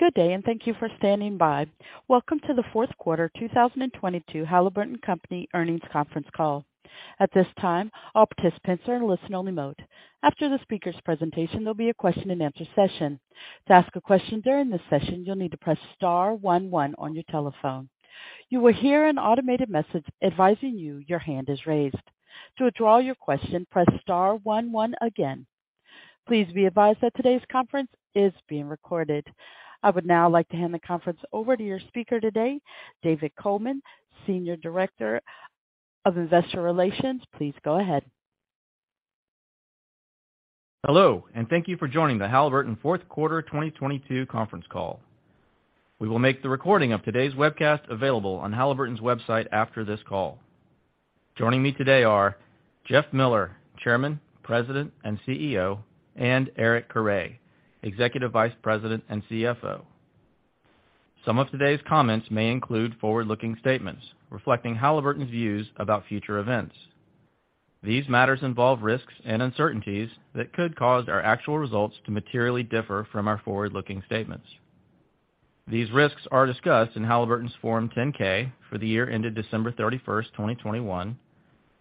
Good day. Thank you for standing by. Welcome to the fourth quarter 2022 Halliburton Company Earnings Conference Call. At this time, all participants are in listen-only mode. After the speakers' presentation, there'll be a question-and-answer session. To ask a question during this session, you'll need to press star one one on your telephone. You will hear an automated message advising you your hand is raised. To withdraw your question, press star one one again. Please be advised that today's conference is being recorded. I would now like to hand the conference over to your speaker today, David Coleman, Senior Director of Investor Relations. Please go ahead. Hello, and thank you for joining the Halliburton 4th quarter 2022 conference call. We will make the recording of today's webcast available on Halliburton's website after this call. Joining me today are Jeff Miller, Chairman, President, and CEO, and Eric Carre, Executive Vice President and CFO. Some of today's comments may include forward-looking statements reflecting Halliburton's views about future events. These matters involve risks and uncertainties that could cause our actual results to materially differ from our forward-looking statements. These risks are discussed in Halliburton's Form 10-K for the year ended December 31st, 2021,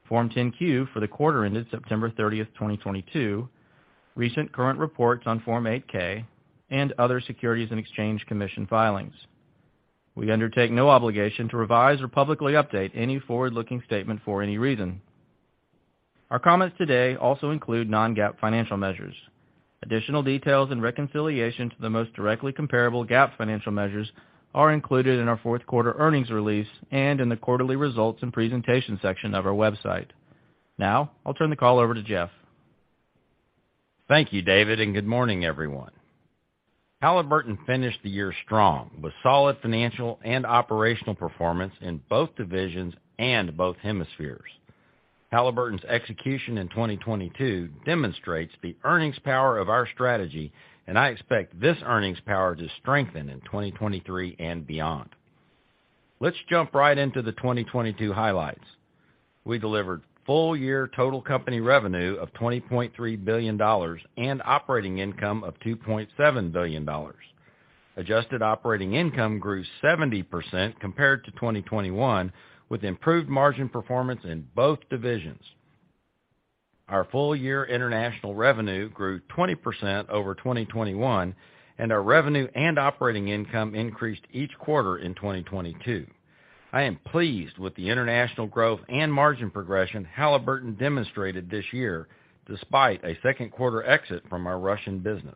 Form 10-Q for the quarter ended September 30th, 2022, recent current reports on Form 8-K, and other Securities and Exchange Commission filings. We undertake no obligation to revise or publicly update any forward-looking statement for any reason. Our comments today also include non-GAAP financial measures. Additional details and reconciliation to the most directly comparable GAAP financial measures are included in our fourth quarter earnings release and in the quarterly results and presentation section of our website. I'll turn the call over to Jeff. Thank you, David. Good morning, everyone. Halliburton finished the year strong with solid financial and operational performance in both divisions and both hemispheres. Halliburton's execution in 2022 demonstrates the earnings power of our strategy. I expect this earnings power to strengthen in 2023 and beyond. Let's jump right into the 2022 highlights. We delivered full year total company revenue of $23 billion and operating income of $2.7 billion. Adjusted operating income grew 70% compared to 2021, with improved margin performance in both divisions. Our full year international revenue grew 20% over 2021. Our revenue and operating income increased each quarter in 2022. I am pleased with the international growth and margin progression Halliburton demonstrated this year despite a second quarter exit from our Russian business.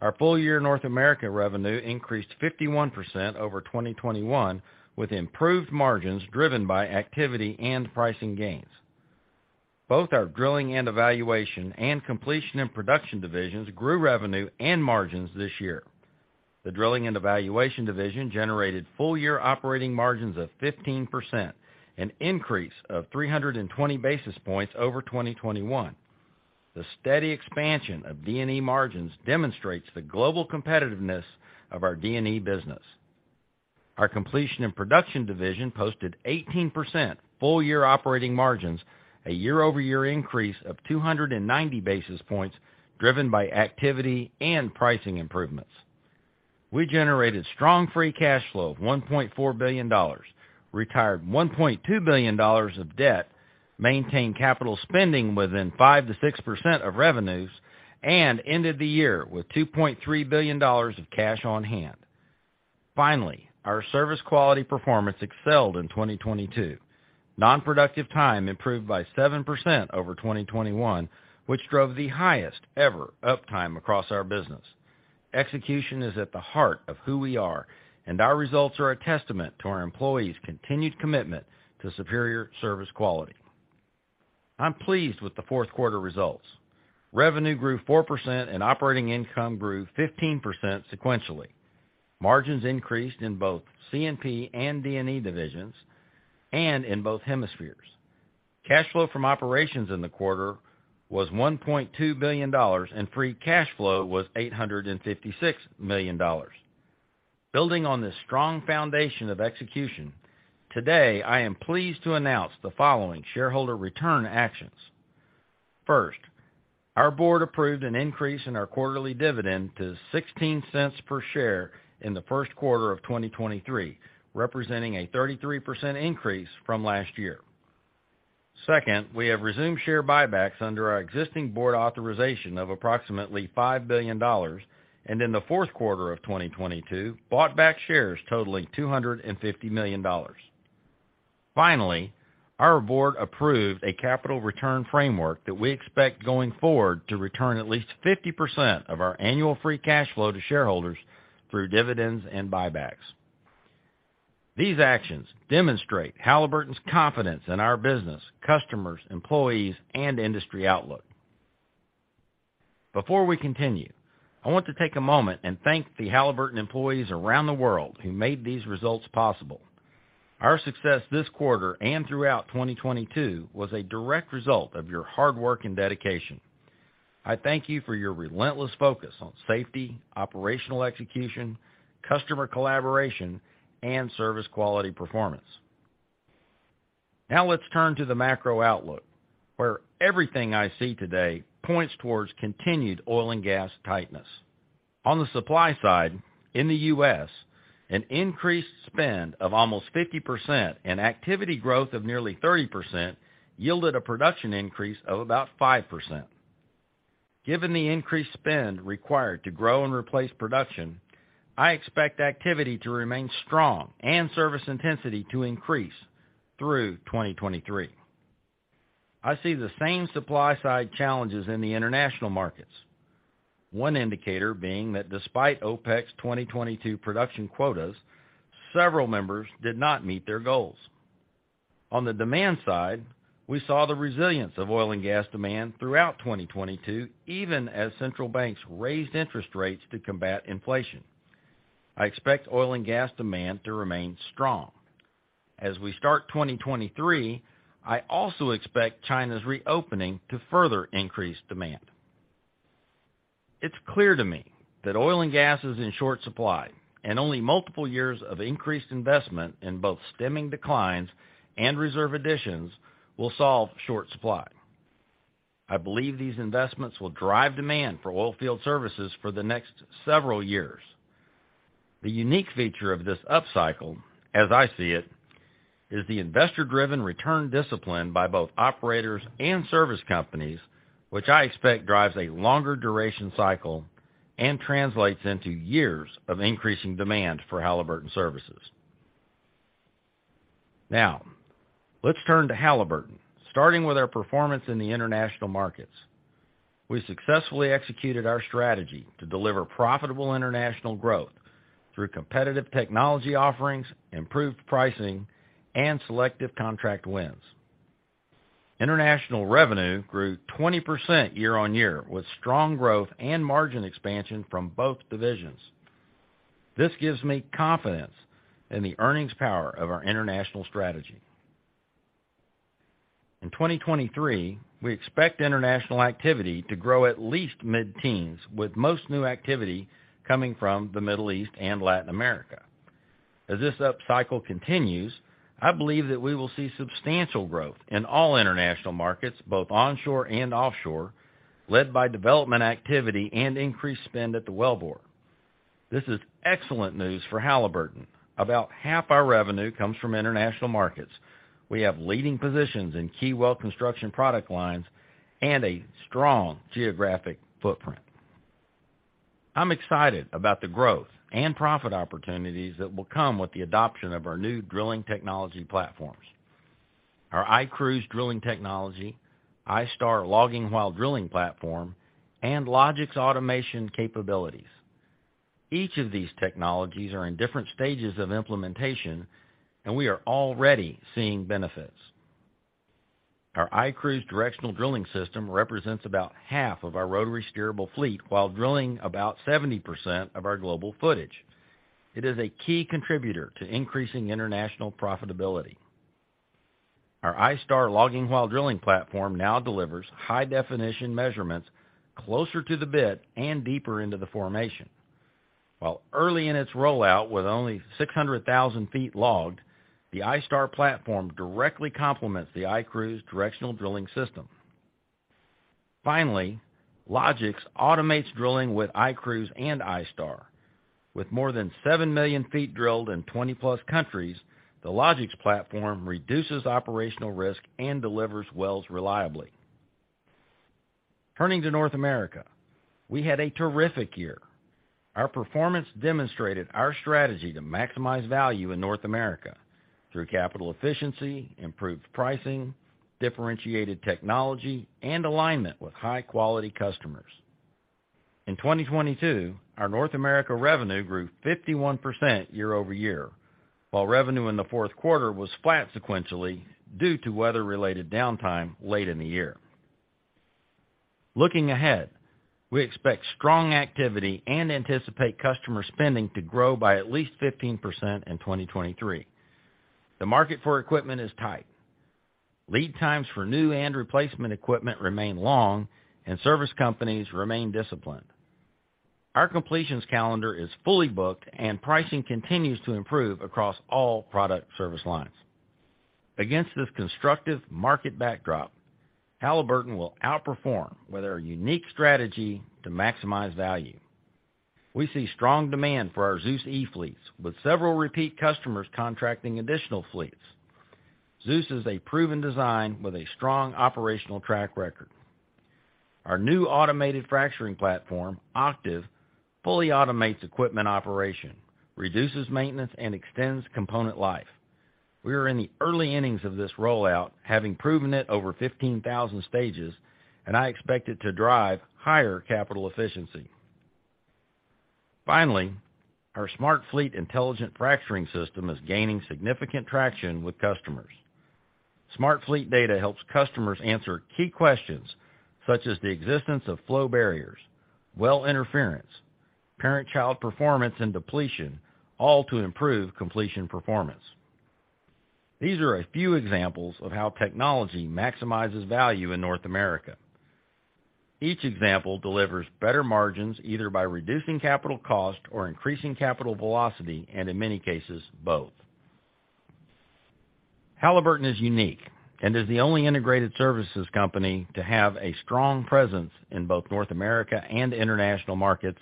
Our full year North American revenue increased 51% over 2021, with improved margins driven by activity and pricing gains. Both our Drilling and Evaluation and Completion and Production divisions grew revenue and margins this year. The Drilling and Evaluation division generated full-year operating margins of 15%, an increase of 320 basis points over 2021. The steady expansion of D&E margins demonstrates the global competitiveness of our D&E business. Our Completion and Production division posted 18% full-year operating margins, a year-over-year increase of 290 basis points, driven by activity and pricing improvements. We generated strong free cash flow of $1.4 billion, retired $1.2 billion of debt, maintained capital spending within 5%-6% of revenues, and ended the year with $2.3 billion of cash on hand. Our service quality performance excelled in 2022. Non-Productive Time improved by 7% over 2021, which drove the highest ever uptime across our business. Execution is at the heart of who we are, and our results are a testament to our employees' continued commitment to superior service quality. I'm pleased with the 4th quarter results. Revenue grew 4% and operating income grew 15% sequentially. Margins increased in both C&P and D&E divisions and in both hemispheres. Cash flow from operations in the quarter was $1.2 billion, and free cash flow was $856 million. Building on this strong foundation of execution, today I am pleased to announce the following shareholder return actions. First, our board approved an increase in our quarterly dividend to $0.16 per share in the first quarter of 2023, representing a 33% increase from last year. Second, we have resumed share buybacks under our existing board authorization of approximately $5 billion, and in the fourth quarter of 2022, bought back shares totaling $250 million. Finally, our board approved a capital return framework that we expect going forward to return at least 50% of our annual free cash flow to shareholders through dividends and buybacks. These actions demonstrate Halliburton's confidence in our business, customers, employees, and industry outlook. Before we continue, I want to take a moment and thank the Halliburton employees around the world who made these results possible. Our success this quarter and throughout 2022 was a direct result of your hard work and dedication. I thank you for your relentless focus on safety, operational execution, customer collaboration, and service quality performance. Let's turn to the macro outlook, where everything I see today points towards continued oil and gas tightness. On the supply side, in the U.S., an increased spend of almost 50% and activity growth of nearly 30% yielded a production increase of about 5%. Given the increased spend required to grow and replace production, I expect activity to remain strong and service intensity to increase through 2023. I see the same supply-side challenges in the international markets. One indicator being that despite OPEC's 2022 production quotas, several members did not meet their goals. On the demand side, we saw the resilience of oil and gas demand throughout 2022, even as central banks raised interest rates to combat inflation. I expect oil and gas demand to remain strong. As we start 2023, I also expect China's reopening to further increase demand. It's clear to me that oil and gas is in short supply and only multiple years of increased investment in both stemming declines and reserve additions will solve short supply. I believe these investments will drive demand for oilfield services for the next several years. The unique feature of this upcycle, as I see it, is the investor-driven return discipline by both operators and service companies, which I expect drives a longer duration cycle and translates into years of increasing demand for Halliburton services. Let's turn to Halliburton, starting with our performance in the international markets. We successfully executed our strategy to deliver profitable international growth through competitive technology offerings, improved pricing, and selective contract wins. International revenue grew 20% year-over-year with strong growth and margin expansion from both divisions. This gives me confidence in the earnings power of our international strategy. In 2023, we expect international activity to grow at least mid-teens, with most new activity coming from the Middle East and Latin America. As this up cycle continues, I believe that we will see substantial growth in all international markets, both onshore and offshore, led by development activity and increased spend at the wellbore. This is excellent news for Halliburton. About half our revenue comes from international markets. We have leading positions in key well construction product lines and a strong geographic footprint. I'm excited about the growth and profit opportunities that will come with the adoption of our new drilling technology platforms. Our iCruise drilling technology, iStar logging while drilling platform, and LOGIX automation capabilities. Each of these technologies are in different stages of implementation, and we are already seeing benefits. Our iCruise directional drilling system represents about half of our rotary steerable fleet while drilling about 70% of our global footage. It is a key contributor to increasing international profitability. Our iStar logging while drilling platform now delivers high-definition measurements closer to the bit and deeper into the formation. While early in its rollout with only 600,000 feet logged, the iStar platform directly complements the iCruise directional drilling system. Logix automates drilling with iCruise and iStar. With more than 7 million feet drilled in 20-plus countries, the Logix platform reduces operational risk and delivers wells reliably. Turning to North America, we had a terrific year. Our performance demonstrated our strategy to maximize value in North America through capital efficiency, improved pricing, differentiated technology, and alignment with high-quality customers. In 2022, our North America revenue grew 51% year-over-year, while revenue in the fourth quarter was flat sequentially due to weather-related downtime late in the year. Looking ahead, we expect strong activity and anticipate customer spending to grow by at least 15% in 2023. The market for equipment is tight. Lead times for new and replacement equipment remain long and service companies remain disciplined. Our completions calendar is fully booked and pricing continues to improve across all product service lines. Against this constructive market backdrop, Halliburton will outperform with our unique strategy to maximize value. We see strong demand for our Zeus e-fleets, with several repeat customers contracting additional fleets. Zeus is a proven design with a strong operational track record. Our new automated fracturing platform, OCTIV, fully automates equipment operation, reduces maintenance, and extends component life. We are in the early innings of this rollout, having proven it over 15,000 stages. I expect it to drive higher capital efficiency. Finally, our SmartFleet intelligent fracturing system is gaining significant traction with customers. SmartFleet data helps customers answer key questions such as the existence of flow barriers, well interference, parent-child performance and depletion, all to improve completion performance. These are a few examples of how technology maximizes value in North America. Each example delivers better margins, either by reducing capital cost or increasing capital velocity, and in many cases, both. Halliburton is unique and is the only integrated services company to have a strong presence in both North America and international markets,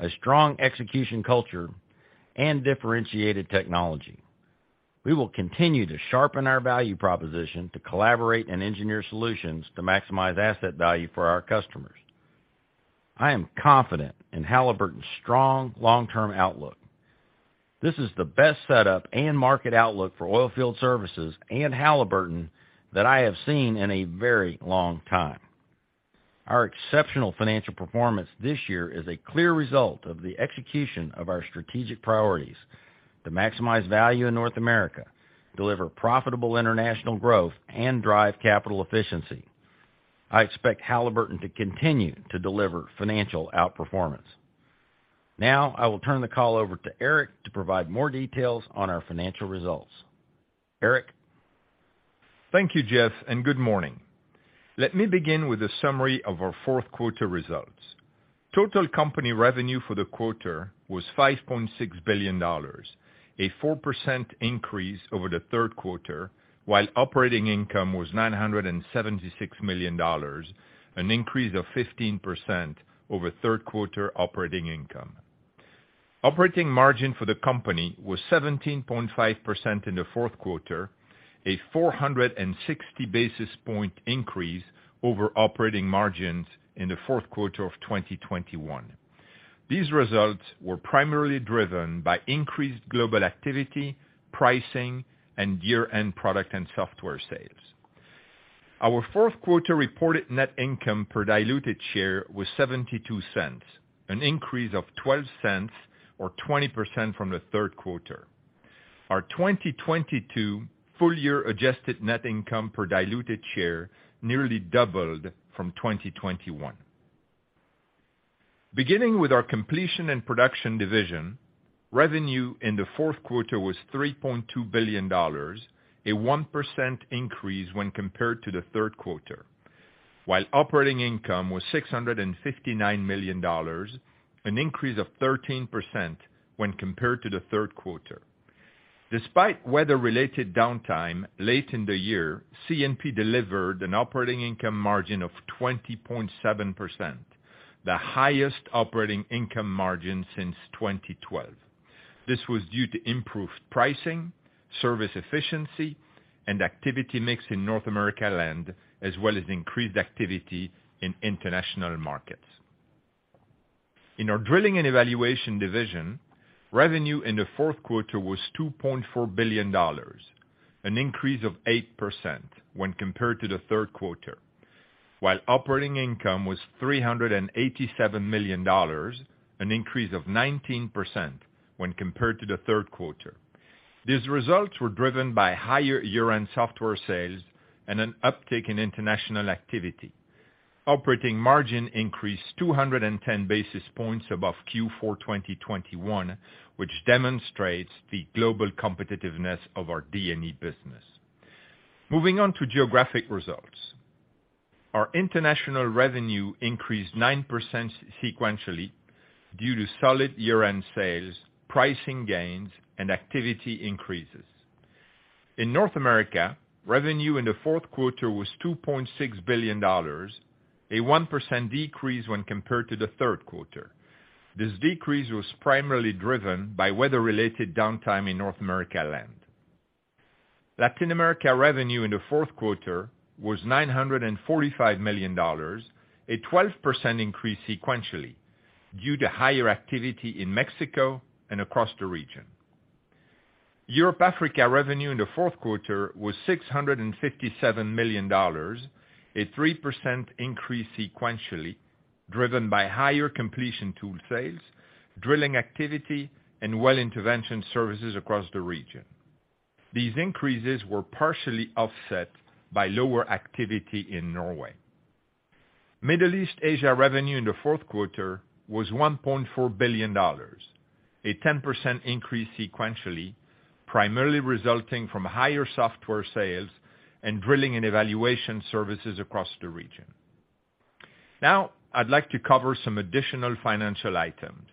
a strong execution culture, and differentiated technology. We will continue to sharpen our value proposition to collaborate and engineer solutions to maximize asset value for our customers. I am confident in Halliburton's strong long-term outlook. This is the best setup and market outlook for oil field services and Halliburton that I have seen in a very long time. Our exceptional financial performance this year is a clear result of the execution of our strategic priorities to maximize value in North America, deliver profitable international growth, and drive capital efficiency. I expect Halliburton to continue to deliver financial outperformance. I will turn the call over to Eric to provide more details on our financial results. Eric? Thank you, Jeff, and good morning. Let me begin with a summary of our fourth quarter results. Total company revenue for the quarter was $5.6 billion, a 4% increase over the third quarter, while operating income was $976 million, an increase of 15% over third quarter operating income. Operating margin for the company was 17.5% in the fourth quarter, a 460 basis point increase over operating margins in the fourth quarter of 2021. These results were primarily driven by increased global activity, pricing, and year-end product and software sales. Our fourth quarter reported net income per diluted share was $0.72, an increase of $0.12 or 20% from the third quarter. Our 2022 full year adjusted net income per diluted share nearly doubled from 2021. Beginning with our Completion and Production division, revenue in the fourth quarter was $3.2 billion, a 1% increase when compared to the third quarter, while operating income was $659 million, an increase of 13% when compared to the third quarter. Despite weather-related downtime late in the year, C&P delivered an operating income margin of 20.7%, the highest operating income margin since 2012. This was due to improved pricing, service efficiency, and activity mix in North America land, as well as increased activity in international markets. In our Drilling and Evaluation division, revenue in the fourth quarter was $2.4 billion, an increase of 8% when compared to the third quarter, while operating income was $387 million, an increase of 19% when compared to the third quarter. These results were driven by higher year-end software sales and an uptick in international activity. Operating margin increased 210 basis points above Q4 2021, which demonstrates the global competitiveness of our D&E business. Moving on to geographic results. Our international revenue increased 9% sequentially due to solid year-end sales, pricing gains, and activity increases. In North America, revenue in the fourth quarter was $2.6 billion, a 1% decrease when compared to the third quarter. This decrease was primarily driven by weather-related downtime in North America land. Latin America revenue in the fourth quarter was $945 million, a 12% increase sequentially due to higher activity in Mexico and across the region. Europe-Africa revenue in the fourth quarter was $657 million, a 3% increase sequentially, driven by higher completion tool sales, drilling activity, and well intervention services across the region. These increases were partially offset by lower activity in Norway. Middle East-Asia revenue in the fourth quarter was $1.4 billion, a 10% increase sequentially, primarily resulting from higher software sales and drilling and evaluation services across the region. I'd like to cover some additional financial items.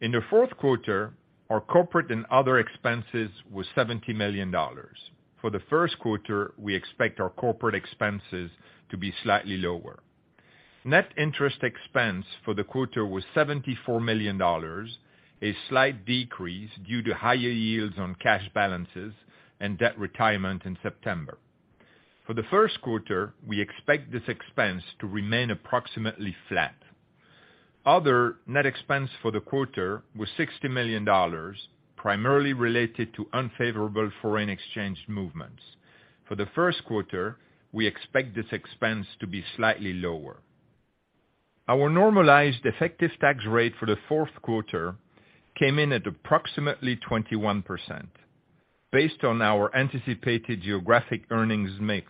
In the fourth quarter, our corporate and other expenses was $70 million. For the first quarter, we expect our corporate expenses to be slightly lower. Net interest expense for the quarter was $74 million, a slight decrease due to higher yields on cash balances and debt retirement in September. For the first quarter, we expect this expense to remain approximately flat. Other net expense for the quarter was $60 million, primarily related to unfavorable foreign exchange movements. For the first quarter, we expect this expense to be slightly lower. Our normalized effective tax rate for the fourth quarter came in at approximately 21%. Based on our anticipated geographic earnings mix,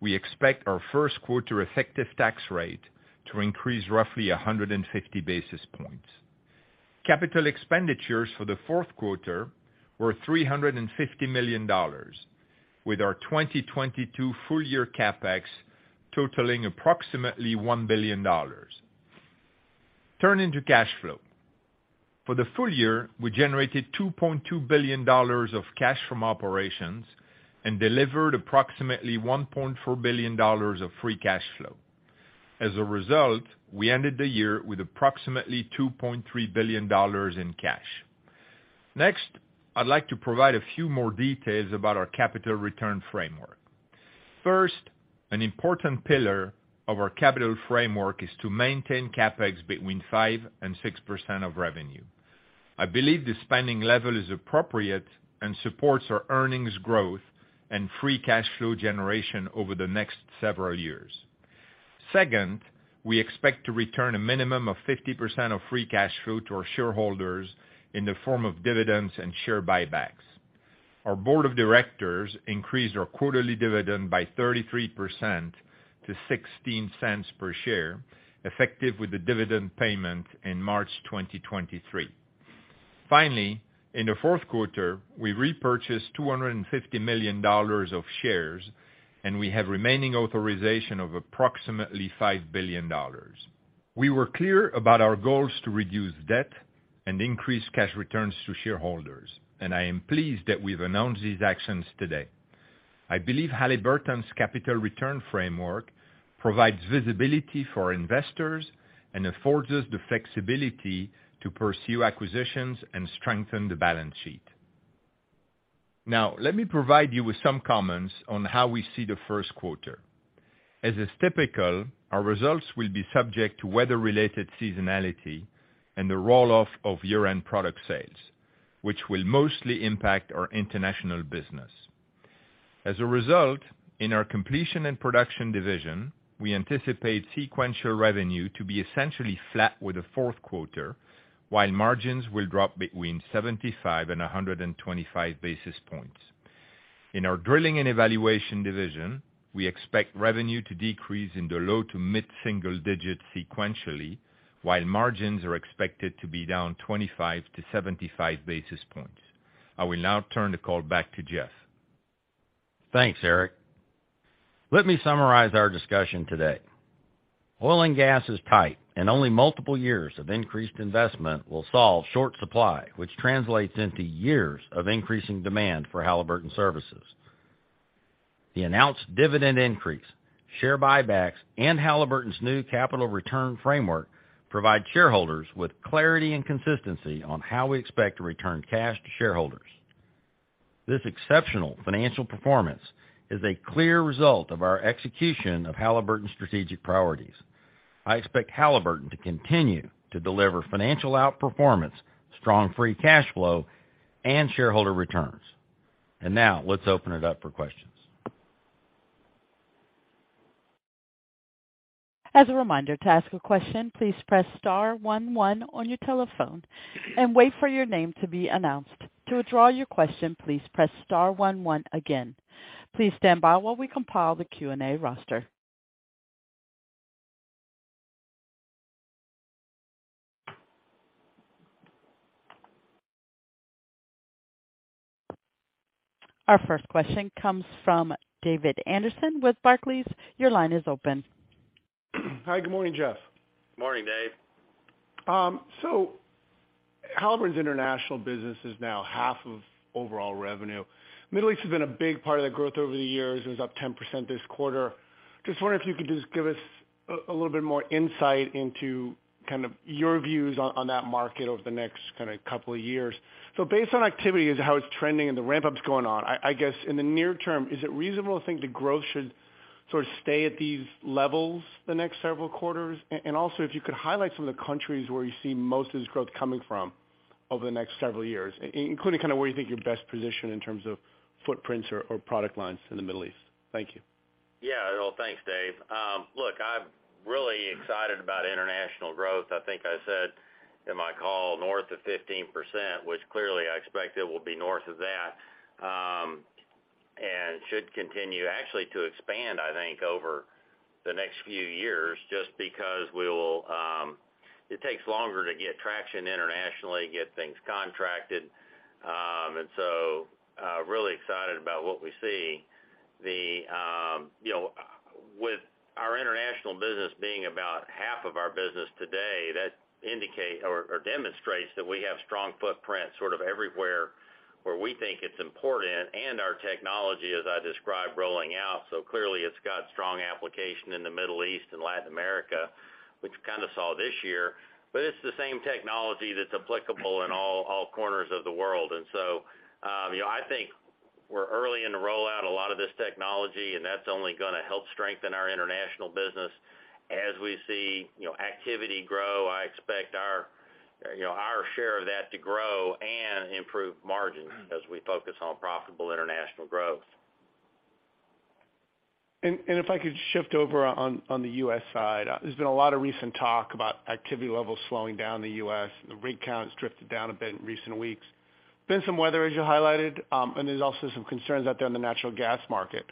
we expect our first quarter effective tax rate to increase roughly 150 basis points. Capital expenditures for the fourth quarter were $350 million, with our 2022 full year CapEx totaling approximately $1 billion. Turning to cash flow. For the full year, we generated $2.2 billion of cash from operations and delivered approximately $1.4 billion of free cash flow. As a result, we ended the year with approximately $2.3 billion in cash. Next, I'd like to provide a few more details about our capital return framework. First, an important pillar of our capital framework is to maintain CapEx between 5% and 6% of revenue. I believe the spending level is appropriate and supports our earnings growth and free cash flow generation over the next several years. Second, we expect to return a minimum of 50% of free cash flow to our shareholders in the form of dividends and share buybacks. Our board of directors increased our quarterly dividend by 33% to $0.16 per share, effective with the dividend payment in March 2023. Finally, in the fourth quarter, we repurchased $250 million of shares, and we have remaining authorization of approximately $5 billion. We were clear about our goals to reduce debt and increase cash returns to shareholders, and I am pleased that we've announced these actions today. I believe Halliburton's capital return framework provides visibility for investors and affords us the flexibility to pursue acquisitions and strengthen the balance sheet. Let me provide you with some comments on how we see the first quarter. As is typical, our results will be subject to weather-related seasonality and the roll-off of year-end product sales, which will mostly impact our international business. As a result, in our Completion and Production division, we anticipate sequential revenue to be essentially flat with the fourth quarter, while margins will drop between 75 and 125 basis points. In our Drilling and Evaluation division, we expect revenue to decrease in the low to mid-single digit sequentially, while margins are expected to be down 25-75 basis points. I will now turn the call back to Jeff. Thanks, Eric. Let me summarize our discussion today. Oil and gas is tight, and only multiple years of increased investment will solve short supply, which translates into years of increasing demand for Halliburton services. The announced dividend increase, share buybacks, and Halliburton's new capital return framework provide shareholders with clarity and consistency on how we expect to return cash to shareholders. This exceptional financial performance is a clear result of our execution of Halliburton's strategic priorities. I expect Halliburton to continue to deliver financial outperformance, strong free cash flow, and shareholder returns. Now let's open it up for questions. As a reminder, to ask a question, please press star one one on your telephone and wait for your name to be announced. To withdraw your question, please press star one one again. Please stand by while we compile the Q&A roster. Our first question comes from David Anderson with Barclays. Your line is open. Hi, good morning, Jeff. Morning, Dave. Halliburton's international business is now half of overall revenue. Middle East has been a big part of the growth over the years. It was up 10% this quarter. Just wondering if you could just give us a little bit more insight into kind of your views on that market over the next kinda couple of years. Based on activity is how it's trending and the ramp-ups going on, I guess, in the near term, is it reasonable to think the growth should sort of stay at these levels the next several quarters? Also, if you could highlight some of the countries where you see most of this growth coming from over the next several years, including kind of where you think you're best positioned in terms of footprints or product lines in the Middle East. Thank you. Well, thanks, Dave. Look, I'm really excited about international growth. I think I said in my call north of 15%, which clearly I expect it will be north of that, and should continue actually to expand, I think, over the next few years, just because we will. It takes longer to get traction internationally, get things contracted. Really excited about what we see. The with our international business being about half of our business today, that indicate or demonstrates that we have strong footprint sort of everywhere where we think it's important, and our technology, as I described, rolling out. Clearly it's got strong application in the Middle East and Latin America, which we kind kind of saw this year. It's the same technology that's applicable in all corners of the world. you know, I think we're early in the rollout a lot of this technology, and that's only gonna help strengthen our international business. As we see, you know, activity grow, I expect our, you know, our share of that to grow and improve margins as we focus on profitable international growth. If I could shift over on the U.S. side. There's been a lot of recent talk about activity levels slowing down in the U.S. The rig count has drifted down a bit in recent weeks. Been some weather, as you highlighted, and there's also some concerns out there in the natural gas market.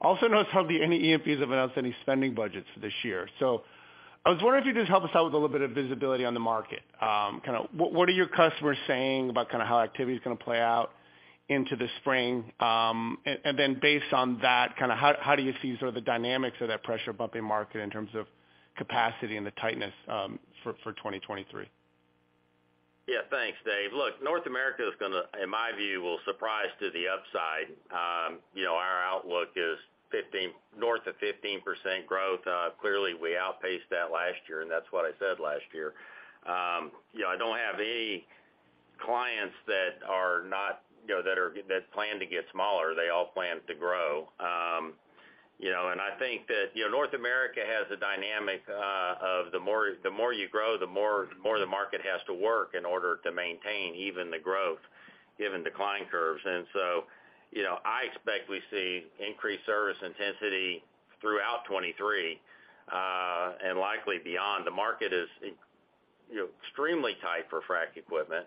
Also notice how any E&Ps have announced any spending budgets for this year. I was wondering if you could just help us out with a little bit of visibility on the market. Kind of what are your customers saying about kind of how activity is gonna play out into the spring? Then based on that, kind of how do you see sort of the dynamics of that pressure bumping market in terms of capacity and the tightness for 2023? Yeah. Thanks, Dave. Look, North America is going to, in my view, will surprise to the upside. You know, our outlook is north of 15% growth. Clearly, we outpaced that last year. That's what I said last year. You know, I don't have any clients that are not, you know, that plan to get smaller. They all plan to grow. You know, I think that, you know, North America has the dynamic of the more you grow, the more the market has to work in order to maintain even the growth given decline curves. So, you know, I expect we see increased service intensity throughout 2023 and likely beyond. The market is, you know, extremely tight for frack equipment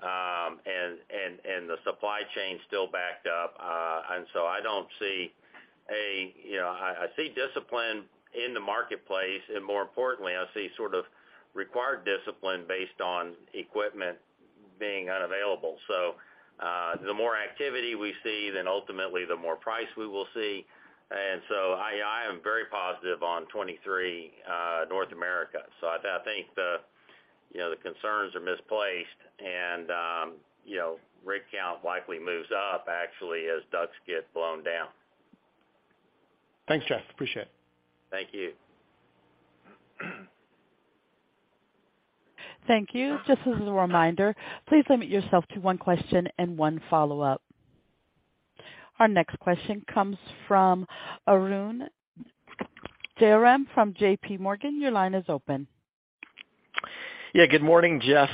and the supply chain's still backed up. I don't see, you know... I see discipline in the marketplace, more importantly, I see sort of required discipline based on equipment being unavailable. The more activity we see, then ultimately, the more price we will see. I am very positive on 2023, North America. I think the concerns are misplaced and, you know, rig count likely moves up actually as DUCs get blown down. Thanks, Jeff. Appreciate it. Thank you. Thank you. Just as a reminder, please limit yourself to one question and one follow-up. Our next question comes from Arun Jayaram from JP Morgan. Your line is open. Yeah, good morning, Jeff.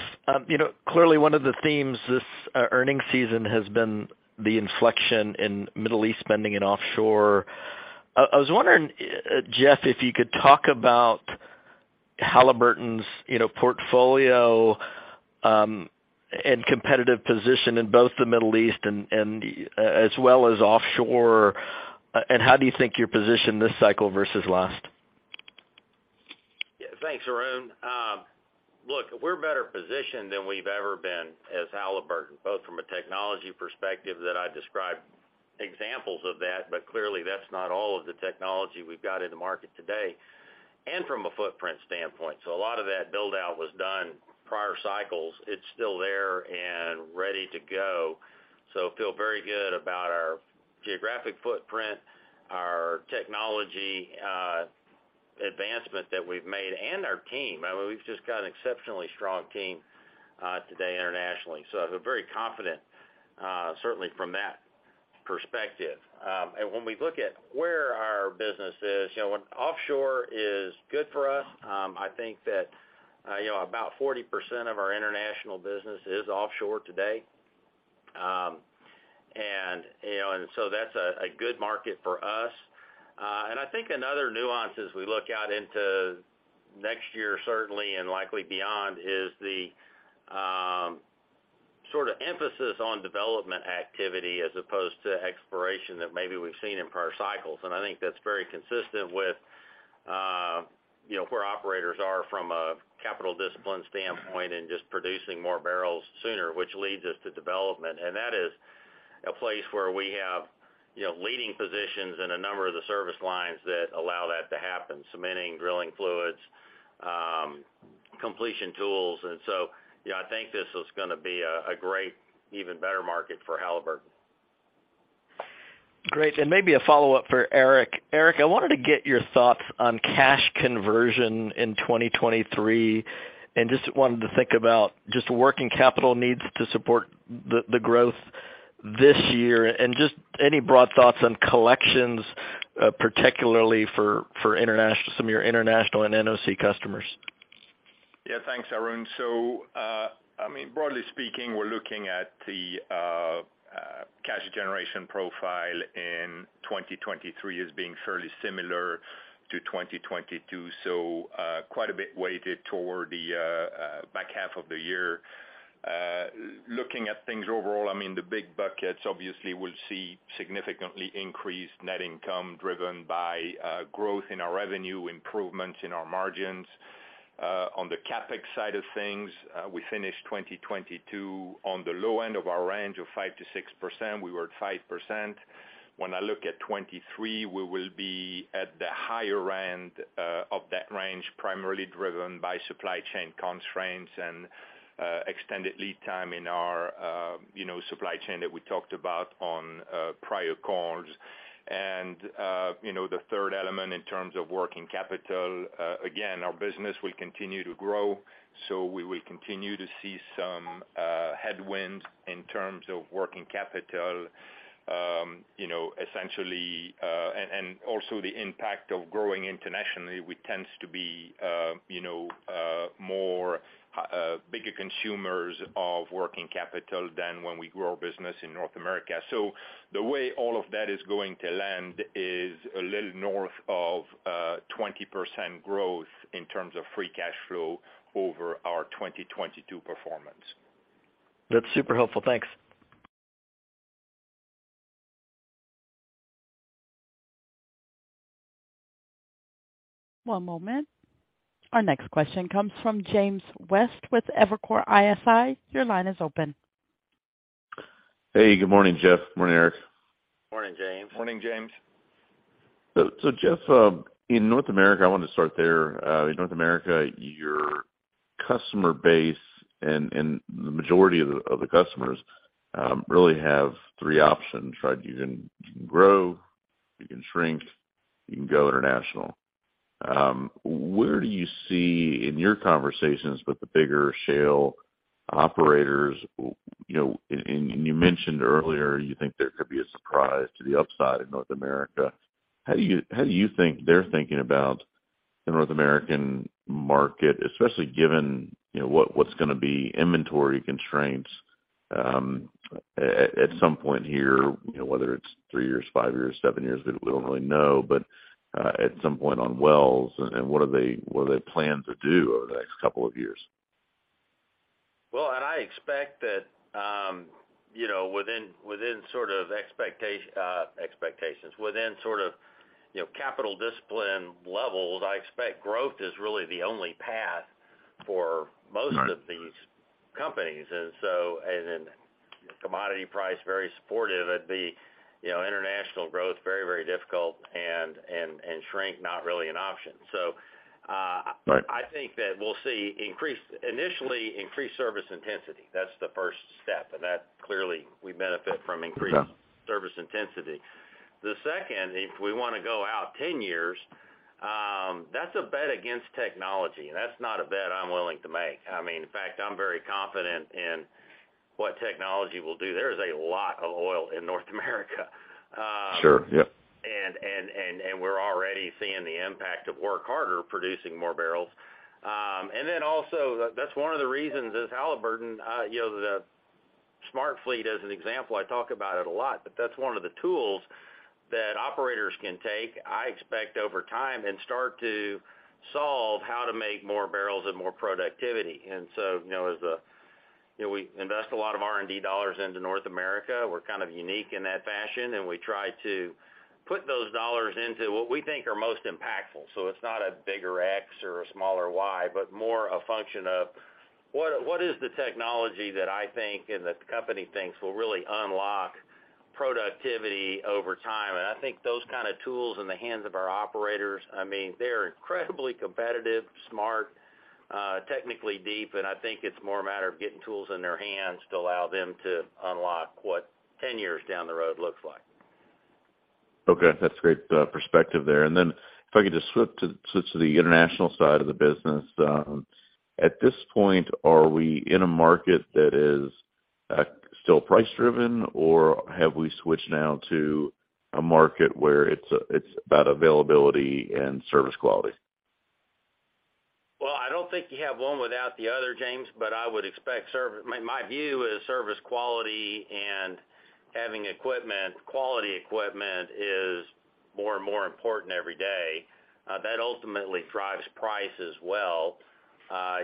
you know, clearly one of the themes this earnings season has been the inflection in Middle East spending and offshore. I was wondering, Jeff, if you could talk about Halliburton's, you know, portfolio, and competitive position in both the Middle East and as well as offshore, and how do you think you're positioned this cycle versus last? Yeah, thanks, Arun. Look, we're better positioned than we've ever been as Halliburton, both from a technology perspective that I described examples of that, but clearly that's not all of the technology we've got in the market today. From a footprint standpoint, a lot of that build-out was done prior cycles. It's still there and ready to go. Feel very good about our geographic footprint, our technology, advancement that we've made, and our team. I mean, we've just got an exceptionally strong team today internationally. I feel very confident, certainly from that perspective. When we look at where our business is, you know, when offshore is good for us, I think that about 40% of our international business is offshore today. You know, that's a good market for us. I think another nuance as we look out into next year, certainly and likely beyond, is the sort of emphasis on development activity as opposed to exploration that maybe we've seen in prior cycles. I think that's very consistent with where operators are from a capital discipline standpoint and just producing more barrels sooner, which leads us to development. That is a place where we have, you know, leading positions in a number of the service lines that allow that to happen, cementing, drilling fluids, completion tools. You know, I think this is gonna be a great, even better market for Halliburton. Great. Maybe a follow-up for Eric. Eric, I wanted to get your thoughts on cash conversion in 2023, just wanted to think about just working capital needs to support the growth this year. Just any broad thoughts on collections, particularly for international, some of your international and NOC customers. Thanks, Arun Jayaram. I mean, broadly speaking, we're looking at the cash generation profile in 2023 as being fairly similar to 2022, quite a bit weighted toward the back half of the year. Looking at things overall, I mean, the big buckets obviously will see significantly increased net income driven by growth in our revenue, improvements in our margins. On the CapEx side of things, we finished 2022 on the low end of our range of 5%-6%. We were at 5%. When I look at 2023, we will be at the higher end of that range, primarily driven by supply chain constraints and extended lead time in our, you know, supply chain that we talked about on prior calls. You know, the third element in terms of working capital, again, our business will continue to grow, so we will continue to see some headwinds in terms of working capital, you know, essentially, and also the impact of growing internationally, which tends to be, you know, more, bigger consumers of working capital than when we grow our business in North America. The way all of that is going to land is a little north of 20% growth in terms of free cash flow over our 2022 performance. That's super helpful. Thanks. One moment. Our next question comes from James West with Evercore ISI. Your line is open. Hey, good morning, Jeff. Morning, Eric. Morning, James. Morning, James. Jeff, in North America, I wanted to start there. In North America, your customer base and the majority of the customers really have three options, right? You can grow, you can shrink, you can go international. Where do you see in your conversations with the bigger shale operators, you know, and you mentioned earlier you think there could be a surprise to the upside in North America. How do you think they're thinking about the North American market, especially given, you know, what's gonna be inventory constraints at some point here, you know, whether it's three years, five years, seven years, we don't really know. At some point on wells and what do they plan to do over the next couple of years? I expect that, you know, within sort of expectations. Within capital discipline levels, I expect growth is really the only path for most- Right... of these companies. As in commodity price, very supportive, it'd be, you know, international growth very, very difficult and shrink not really an option. Right I think that we'll see initially increased service intensity. That's the first step, and that clearly we benefit from. Yeah... service intensity. The second, if we wanna go out 10 years, that's a bet against technology, and that's not a bet I'm willing to make. I mean, in fact, I'm very confident in what technology will do. There is a lot of oil in North America. Sure. Yep. We're already seeing the impact of work harder producing more barrels. Also that's one of the reasons as Halliburton, you know, the SmartFleet as an example, I talk about it a lot, but that's one of the tools that operators can take, I expect over time, and start to solve how to make more barrels and more productivity. You know, as the, you know, we invest a lot of R&D dollars into North America. We're kind of unique in that fashion, and we try to put those dollars into what we think are most impactful. It's not a bigger X or a smaller Y, but more a function of what is the technology that I think and the company thinks will really unlock productivity over time. I think those kind of tools in the hands of our operators, I mean, they're incredibly competitive, smart, technically deep, and I think it's more a matter of getting tools in their hands to allow them to unlock what 10 years down the road looks like. Okay. That's great perspective there. If I could just switch to the international side of the business. At this point, are we in a market that is still price driven, or have we switched now to a market where it's about availability and service quality? Well, I don't think you have one without the other, James, but I would expect I mean, my view is service quality and having equipment, quality equipment is more and more important every day. That ultimately drives price as well.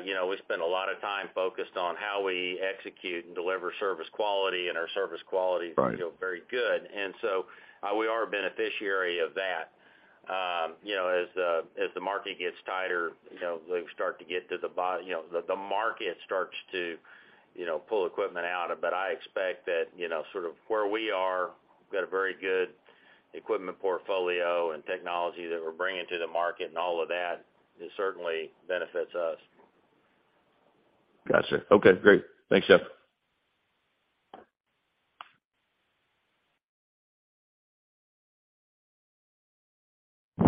You know, we spend a lot of time focused on how we execute and deliver service quality, and our service quality. Right... feel very good. We are a beneficiary of that. As the market gets tighter, you know, the market starts to, you know, pull equipment out. I expect that sort of where we are, we've got a very good equipment portfolio and technology that we're bringing to the market and all of that. It certainly benefits us. Gotcha. Okay, great. Thanks, Jeff.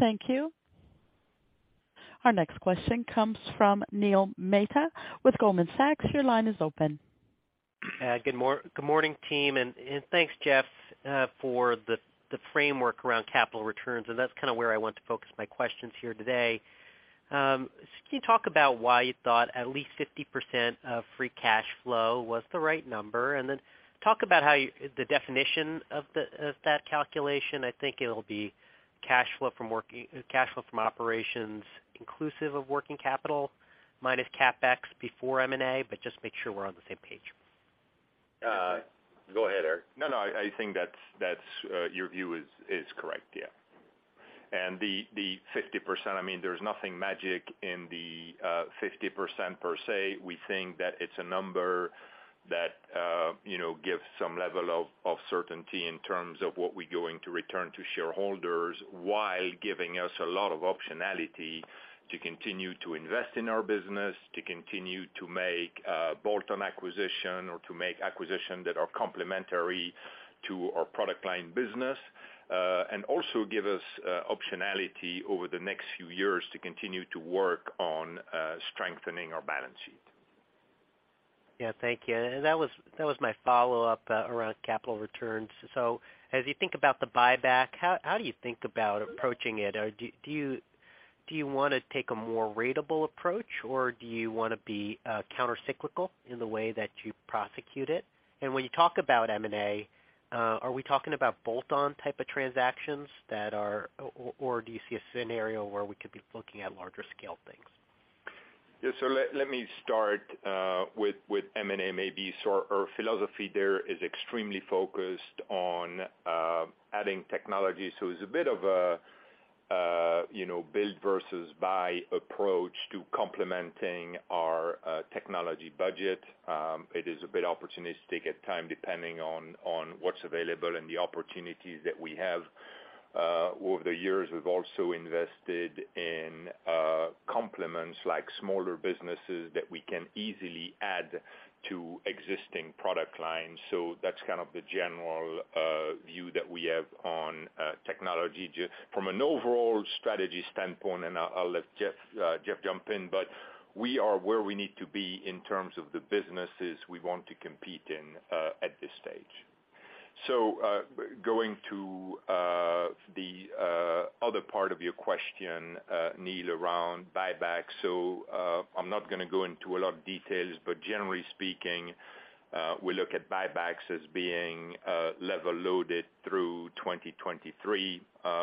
Thank you. Our next question comes from Neil Mehta with Goldman Sachs. Your line is open. Good morning, team. And thanks, Jeff, for the framework around capital returns, and that's kind of where I want to focus my questions here today. Can you talk about why you thought at least 50% of free cash flow was the right number? Then talk about how you the definition of that calculation. I think it'll be cash flow from operations inclusive of working capital minus CapEx before M&A, but just make sure we're on the same page. Go ahead, Eric. No, no. I think that's, your view is correct. Yeah. The 50%, I mean, there's nothing magic in the 50% per se. We think that it's a number that gives some level of certainty in terms of what we're going to return to shareholders while giving us a lot of optionality to continue to invest in our business, to continue to make bolt-on acquisition or to make acquisition that are complementary to our product line business, and also give us optionality over the next few years to continue to work on strengthening our balance sheet. Yeah. Thank you. That was my follow-up, around capital returns. As you think about the buyback, how do you think about approaching it? Or do you wanna take a more ratable approach, or do you wanna be countercyclical in the way that you prosecute it? When you talk about M&A, or, do you see a scenario where we could be looking at larger scale things? Yes. Let me start with M&A maybe. Our philosophy there is extremely focused on adding technology. It's a bit of a, you know, build versus buy approach to complementing our technology budget. It is a bit opportunistic at time, depending on what's available and the opportunities that we have. Over the years, we've also invested in complements like smaller businesses that we can easily add to existing product lines. That's kind of the general view that we have on technology. From an overall strategy standpoint, and I'll let Jeff jump in, but we are where we need to be in terms of the businesses we want to compete in at this stage. Going to the other part of your question, Neil, around buybacks. I'm not gonna go into a lot of details, but generally speaking, we look at buybacks as being lever loaded through 2023,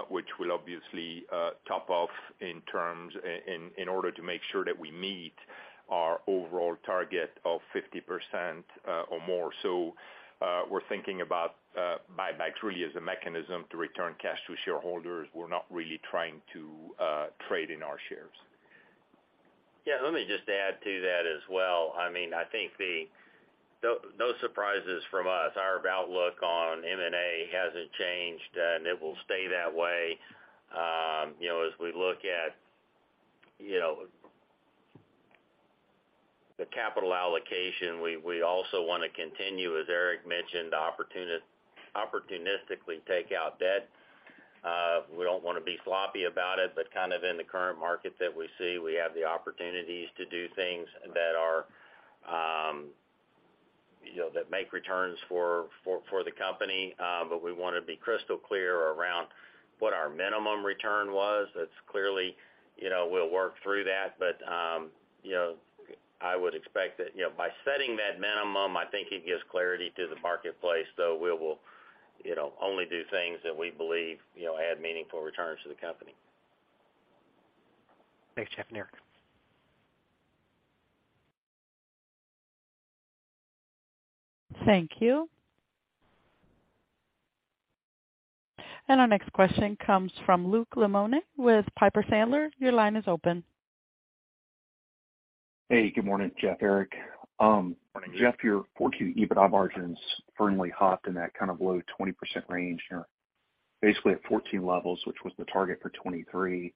which will obviously top off in order to make sure that we meet our overall target of 50% or more. We're thinking about buybacks really as a mechanism to return cash to shareholders. We're not really trying to trade in our shares. Yeah, let me just add to that as well. I mean, I think no surprises from us. Our outlook on M&A hasn't changed. It will stay that way. You know, as we look at, you know, the capital allocation, we also wanna continue, as Eric mentioned, opportunistically take out debt. We don't wanna be sloppy about it, kind of in the current market that we see, we have the opportunities to do things that are, you know, that make returns for the company. We wanna be crystal clear around what our minimum return was. That's clearly, you know, we'll work through that. you know, I would expect that, you know, by setting that minimum, I think it gives clarity to the marketplace, though we will, you know, only do things that we believe, you know, add meaningful returns to the company. Thanks, Jeff and Eric. Thank you. Our next question comes from Luke Lemoine with Piper Sandler. Your line is open. Hey, good morning, Jeff, Eric. Morning. Jeff, your 4Q EBITDA margins firmly hopped in that kind of low 20% range. You're basically at 14 levels, which was the target for 2023.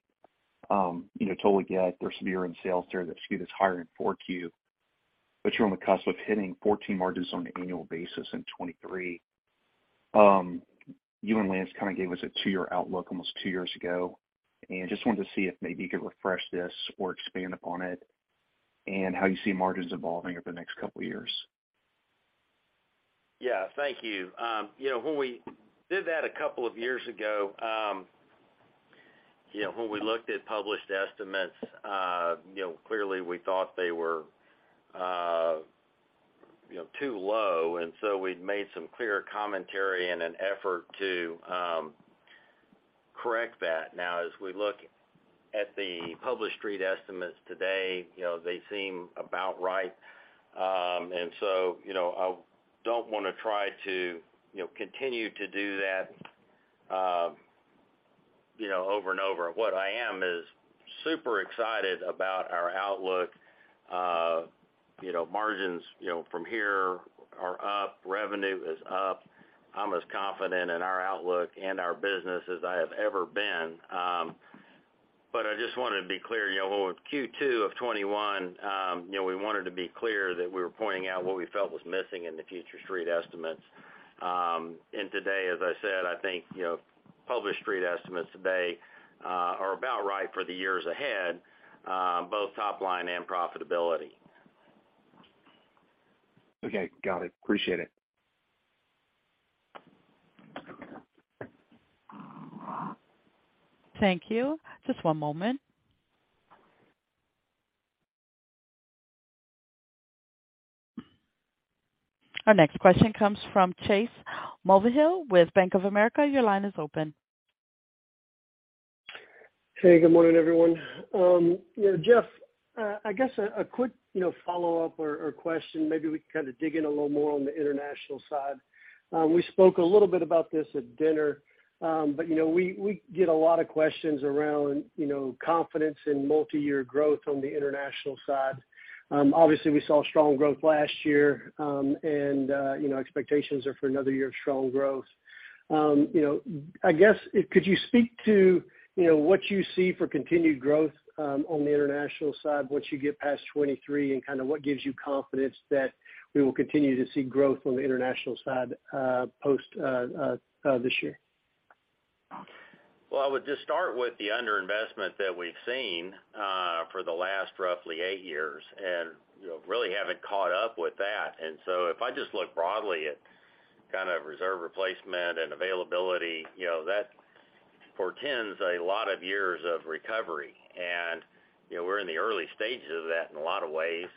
Totally get there's severe in sales there. That skewed as higher in 4Q, but you're on the cusp of hitting 14 margins on an annual basis in 2023. you and Lance kind of gave us a 2-year outlook almost 2 years ago, and just wanted to see if maybe you could refresh this or expand upon it and how you see margins evolving over the next couple of years. Yeah. Thank you. You know, when we did that two years ago, you know, when we looked at published estimates, you know, clearly we thought they were, you know, too low, and so we'd made some clear commentary in an effort to correct that. Now, as we look at the published street estimates today, you know, they seem about right. You know, I don't wanna try to, you know, continue to do that, you know, over and over. What I am is super excited about our outlook. You know, margins from here are up, revenue is up. I'm as confident in our outlook and our business as I have ever been. I just wanted to be clear, you know, with Q2 of 2021, you know, we wanted to be clear that we were pointing out what we felt was missing in the future street estimates. Today, as I said, I think, you know, published street estimates today are about right for the years ahead, both top line and profitability. Okay. Got it. Appreciate it. Thank you. Just one moment. Our next question comes from Chase Mulvihill with Bank of America. Your line is open. Hey, good morning, everyone. You know, Jeff, I guess a quick, you know, follow-up or question, maybe we can kind of dig in a little more on the international side. We spoke a little bit about this at dinner, you know, we get a lot of questions around, you know, confidence in multi-year growth on the international side. Obviously, we saw strong growth last year, you know, expectations are for another year of strong growth. You know, I guess could you speak to, you know, what you see for continued growth on the international side once you get past 2023 and kind of what gives you confidence that we will continue to see growth on the international side, post this year? I would just start with the under-investment that we've seen, for the last roughly eight years and, you know, really haven't caught up with that. If I just look broadly at kind of reserve replacement and availability, you know, that portends a lot of years of recovery. We're in the early stages of that. One-ways.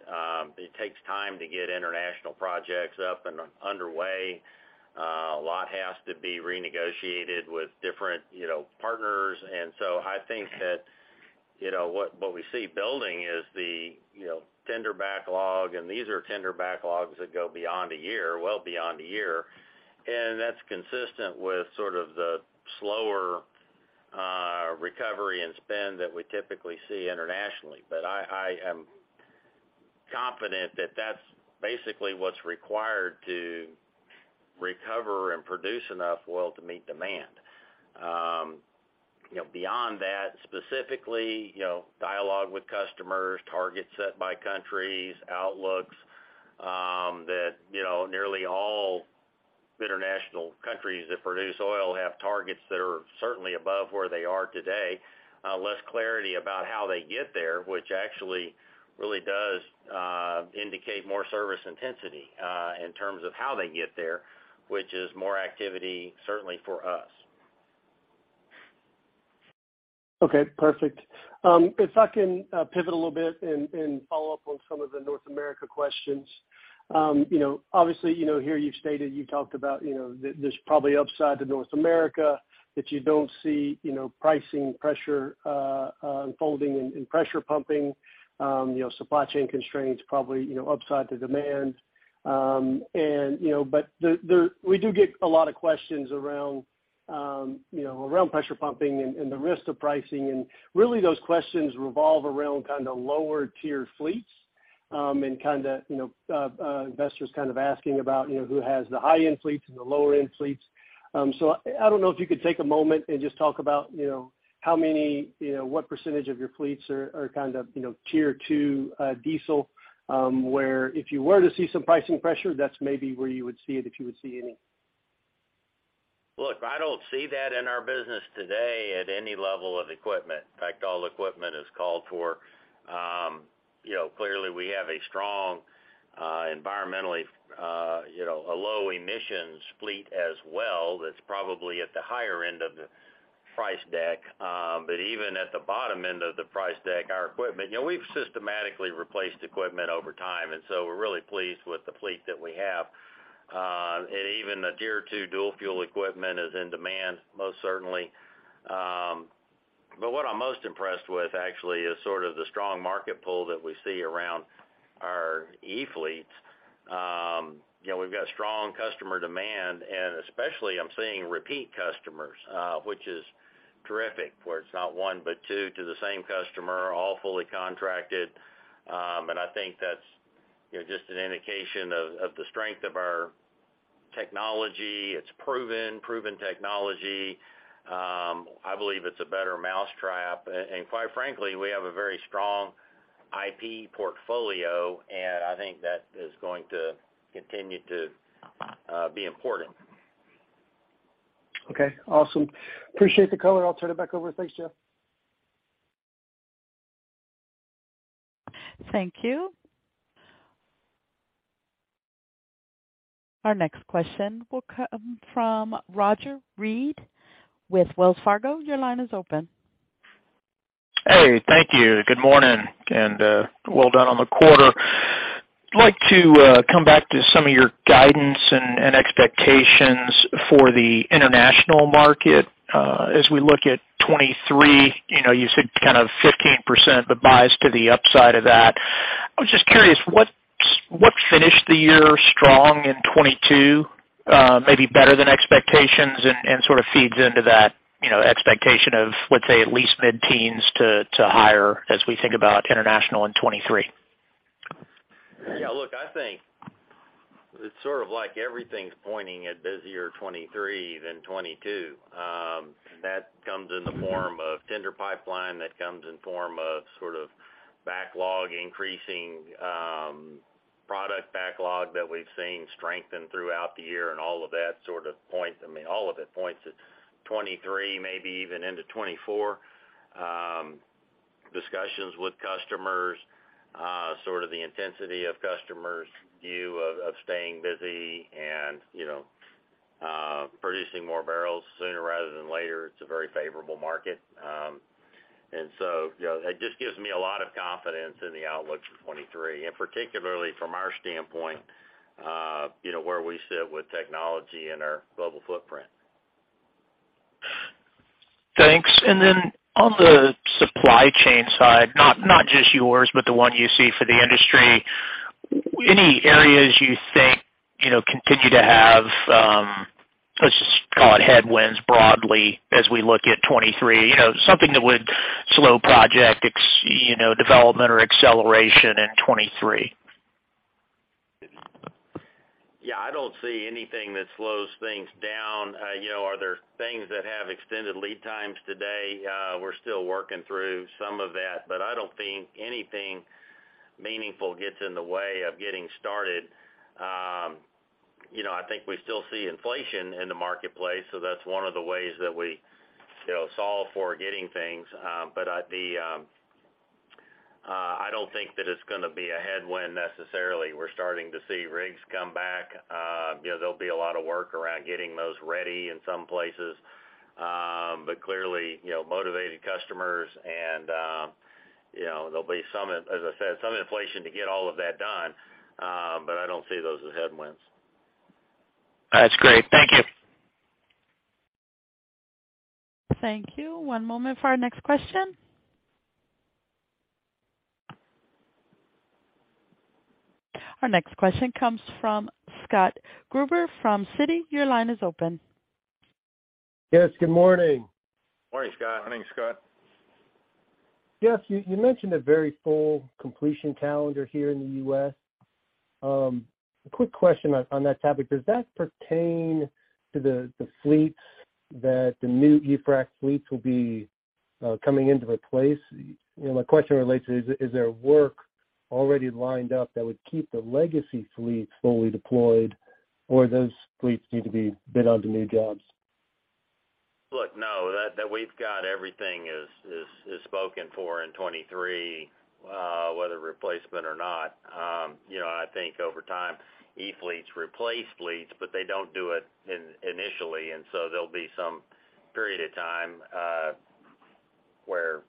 It takes time to get international projects up and underway. A lot has to be renegotiated with different, you know, partners. I think that, you know, what we see building is the, you know, tender backlog, and these are tender backlogs that go beyond a year, well beyond a year. That's consistent with sort of the slower, recovery and spend that we typically see internationally. I am confident that that's basically what's required to recover and produce enough oil to meet demand. You know, beyond that, specifically, you know, dialogue with customers, targets set by countries, outlooks, that, you know, nearly all international countries that produce oil have targets that are certainly above where they are today. Less clarity about how they get there, which actually really does, indicate more service intensity, in terms of how they get there, which is more activity certainly for us. Okay, perfect. If I can pivot a little bit and follow up on some of the North America questions. You know, obviously, you know, here you've stated, you talked about there's probably upside to North America, that you don't see, you know, pricing pressure unfolding in pressure pumping. You know, supply chain constraints probably, you know, upside to demand. You know, but we do get a lot of questions around, you know, around pressure pumping and the risk to pricing. Really those questions revolve around kind of lower tier fleets, and kinda, you know, investors kind of asking about, you know, who has the high-end fleets and the lower-end fleets. I don't know if you could take a moment and just talk about, you know, how many, you know, what % of your fleets are kind of, you know, tier 2, diesel, where if you were to see some pricing pressure, that's maybe where you would see it if you would see any? I don't see that in our business today at any level of equipment. In fact, all equipment is called for. You know, clearly we have a strong, environmentally, you know, a low emissions fleet as well that's probably at the higher end of the price deck. Even at the bottom end of the price deck, our equipment, you know, we've systematically replaced equipment over time, and so we're really pleased with the fleet that we have. Even the tier 2 dual fuel equipment is in demand, most certainly. What I'm most impressed with actually is sort of the strong market pull that we see around our Zeus e-fleets. You know, we've got strong customer demand, and especially I'm seeing repeat customers, which is terrific, where it's not 1 but 2 to the same customer, all fully contracted. I think that's, you know, just an indication of the strength of our technology. It's proven technology. I believe it's a better mousetrap. Quite frankly, we have a very strong IP portfolio, and I think that is going to continue to be important. Okay. Awesome. Appreciate the color. I'll turn it back over. Thanks, Jeff. Thank you. Our next question will come from Roger Read with Wells Fargo. Your line is open. Hey, thank you. Good morning. Well done on the quarter. I'd like to come back to some of your guidance and expectations for the international market. As we look at 2023, you know, you said kind of 15%, but bias to the upside of that. I was just curious what finished the year strong in 2022, maybe better than expectations and sort of feeds into that, you know, expectation of, let's say, at least mid-teens to higher as we think about international in 2023? Yeah. Look, I think it's sort of like everything's pointing at busier 2023 than 2022. That comes in the form of tender pipeline, that comes in form of sort of backlog increasing, product backlog that we've seen strengthen throughout the year and all of that points, I mean, all of it points at 2023, maybe even into 2024. Discussions with customers, sort of the intensity of customers' view of staying busy and, you know, producing more barrels sooner rather than later. It's a very favorable market. You know, it just gives me a lot of confidence in the outlook for 2023, and particularly from our standpoint, you know, where we sit with technology and our global footprint. Thanks. On the supply chain side, not just yours, but the one you see for the industry, any areas you think, you know, continue to have, let's just call it headwinds broadly as we look at 2023? Something that would slow project development or acceleration in 2023. Yeah. I don't see anything that slows things down. You know, are there things that have extended lead times today? We're still working through some of that, but I don't think anything meaningful gets in the way of getting started. You know, I think we still see inflation in the marketplace, so that's one of the ways that we, you know, solve for getting things. The I don't think that it's gonna be a headwind necessarily. We're starting to see rigs come back. You know, there'll be a lot of work around getting those ready in some places. Clearly, you know, motivating customers and, you know, there'll be some, as I said, some inflation to get all of that done. I don't see those as headwinds. That's great. Thank you. Thank you. One moment for our next question. Our next question comes from Scott Gruber from Citi. Your line is open. Yes, good morning. Morning, Scott. Morning, Scott. Yes, you mentioned a very full completion calendar here in the U.S. A quick question on that topic. Does that pertain to the fleets that the new e-frac fleets will be coming into place? My question relates to is there work already lined up that would keep the legacy fleet fully deployed, or those fleets need to be bid onto new jobs? Look, no, that we've got everything is spoken for in 2023, whether replacement or not. You know, I think over time, e-fleets replace fleets, but they don't do it initially. There'll be some period of time, where,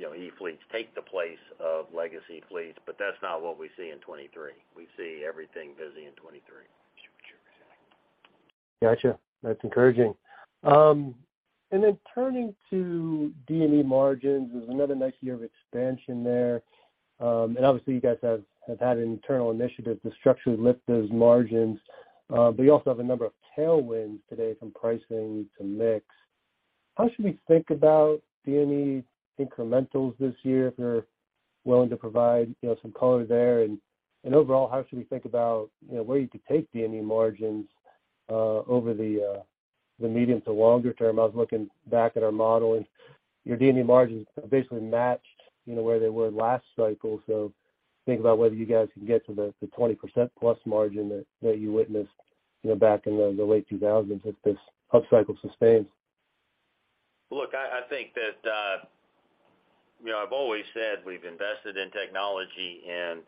you know, e-fleets take the place of legacy fleets. That's not what we see in 2023. We see everything busy in 2023. Gotcha. That's encouraging. Turning to D&E margins, there's another nice year of expansion there. Obviously, you guys have had an internal initiative to structurally lift those margins, but you also have a number of tailwinds today from pricing to mix. How should we think about D&E incrementals this year, if you're willing to provide, you know, some color there? Overall, how should we think about, you know, where you could take D&E margins, over the medium to longer term? I was looking back at our model and your D&E margins basically matched, you know, where they were last cycle. Think about whether you guys can get to the 20% plus margin that you witnessed back in the late 2000s, if this up cycle sustains. Look, I think that, you know, I've always said we've invested in technology and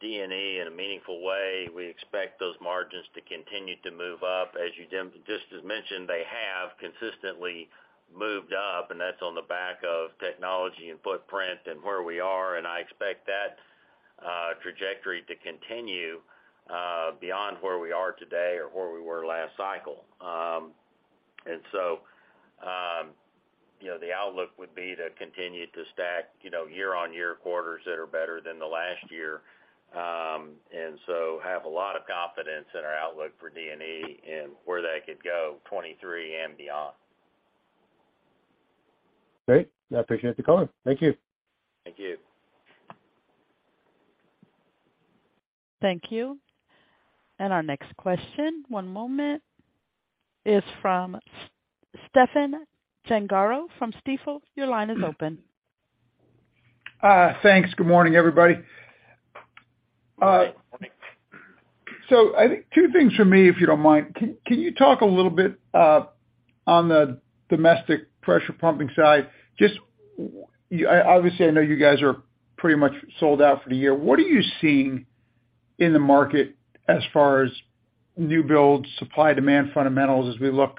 D&E in a meaningful way. We expect those margins to continue to move up. As you just mentioned, they have consistently moved up, and that's on the back of technology and footprint and where we are, and I expect that trajectory to continue beyond where we are today or where we were last cycle. You know, the outlook would be to continue to stack, you know, year-on-year quarters that are better than the last year, and so have a lot of confidence in our outlook for D&E and where that could go 2023 and beyond. Great. I appreciate the color. Thank you. Thank you. Thank you. Our next question, one moment, is from Stephen Gengaro from Stifel. Your line is open. Thanks. Good morning, everybody. I think two things from me, if you don't mind. Can you talk a little bit, on the domestic pressure pumping side? Just obviously, I know you guys are pretty much sold out for the year. What are you seeing in the market as far as new builds, supply, demand fundamentals as we look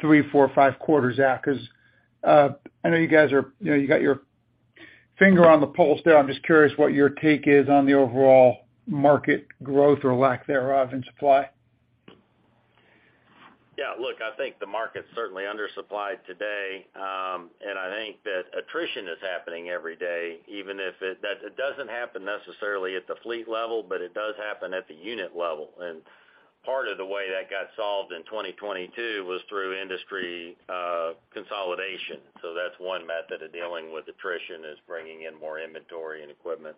3, 4, 5 quarters out? I know you guys are. You know, you got your finger on the pulse there. I'm just curious what your take is on the overall market growth or lack thereof in supply? Yeah. Look, I think the market's certainly undersupplied today. I think that attrition is happening every day, even if it doesn't happen necessarily at the fleet level, but it does happen at the unit level. Part of the way that got solved in 2022 was through industry consolidation. That's one method of dealing with attrition, is bringing in more inventory and equipment.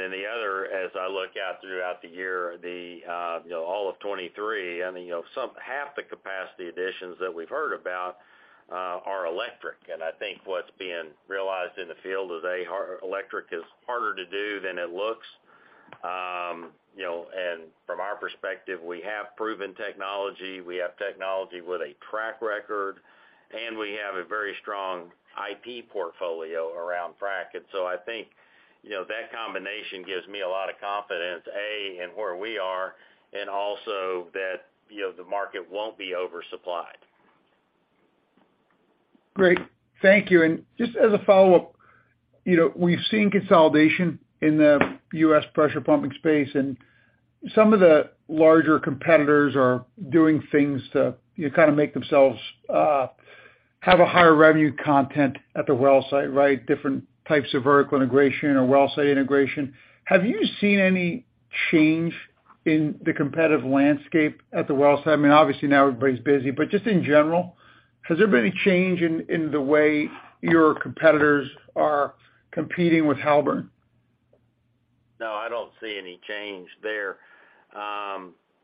Then the other, as I look out throughout the year, the, you know, all of 2023, I mean, you know, half the capacity additions that we've heard about, are electric. I think what's being realized in the field is A, electric is harder to do than it looks. You know, and from our perspective, we have proven technology, we have technology with a track record, and we have a very strong IP portfolio around frack. I think, you know, that combination gives me a lot of confidence, A, in where we are and also that the market won't be oversupplied. Great. Thank you. Just as a follow-up, you know, we've seen consolidation in the U.S. pressure pumping space, and some of the larger competitors are doing things to kind of make themselves have a higher revenue content at the well site, right? Different types of vertical integration or well site integration. Have you seen any change in the competitive landscape at the well site? I mean, obviously now everybody's busy, but just in general, has there been any change in the way your competitors are competing with Halliburton? No, I don't see any change there.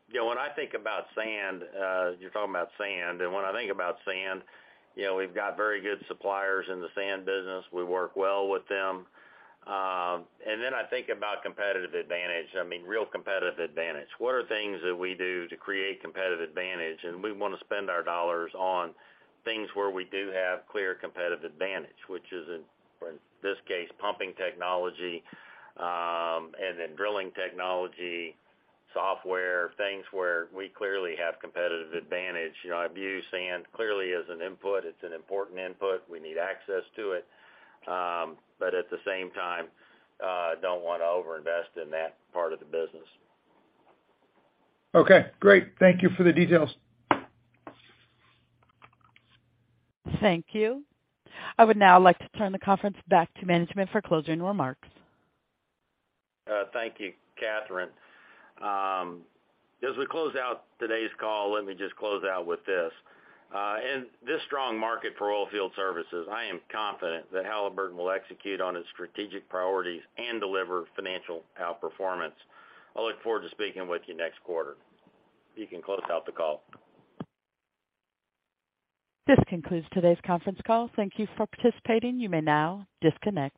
You know, when I think about sand, you're talking about sand, and when I think about sand, you know, we've got very good suppliers in the sand business. We work well with them. I think about competitive advantage, I mean, real competitive advantage. What are things that we do to create competitive advantage? We wanna spend our dollars on things where we do have clear competitive advantage, which is in this case, pumping technology, and then drilling technology, software, things where we clearly have competitive advantage. You know, I view sand clearly as an input. It's an important input. We need access to it. At the same time, don't wanna overinvest in that part of the business. Okay, great. Thank you for the details. Thank you. I would now like to turn the conference back to management for closing remarks. Thank you, Catherine. As we close out today's call, let me just close out with this. In this strong market for oil field services, I am confident that Halliburton will execute on its strategic priorities and deliver financial outperformance. I look forward to speaking with you next quarter. You can close out the call. This concludes today's conference call. Thank you for participating. You may now disconnect.